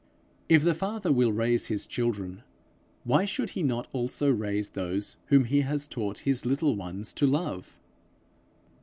If the Father will raise his children, why should he not also raise those whom he has taught his little ones to love?